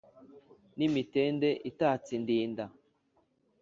ni imitende itatse indinda.